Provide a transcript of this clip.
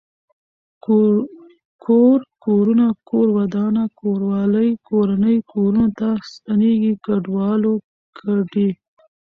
کور کورونه کور ودانه کوروالی کورنۍ کورنو ته ستنيږي کډوالو کډي